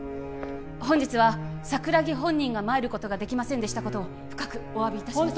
本日は桜木本人が参ることができませんでしたことを深くお詫びいたします